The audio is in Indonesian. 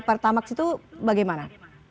pertamax itu bagaimana